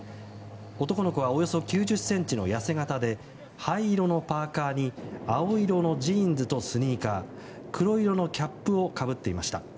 男の子はおよそ９０ｃｍの痩せ形で灰色のパーカに青色のジーンズとスニーカー黒色のキャップをかぶっていました。